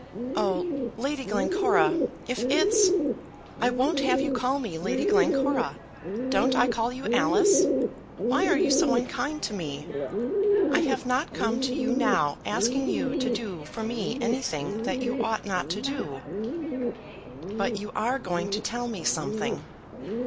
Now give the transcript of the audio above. "Oh, Lady Glencora, if it's " "I won't have you call me Lady Glencora. Don't I call you Alice? Why are you so unkind to me? I have not come to you now asking you to do for me anything that you ought not to do." "But you are going to tell me something."